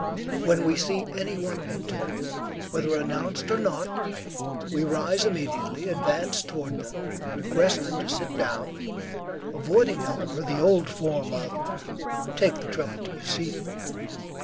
When we see any one enter, whether announced or not, we rise immediately, advance toward them, request them to sit down, avoiding however the old form of, 'Take the trouble to be seated.'